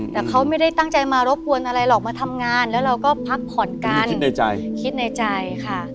แต่เขาไม่ได้ตั้งใจมารบกวนอะไรหรอกมาทำงานแล้วเราก็พักผ่อนกันคิดในใจคิดในใจค่ะ